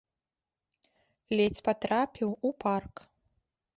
Ледзь патрапіў у парк.